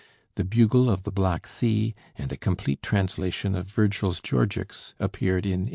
'The Bugle of the Black Sea' and a complete translation of Virgil's 'Georgics' appeared in 1871.